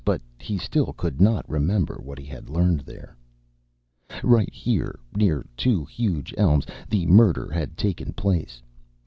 But he still could not remember what he had learned there. Right here, near two huge elms, the murder had taken place.